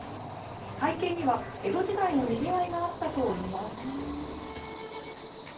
背景には江戸時代のにぎわいがあったといいます。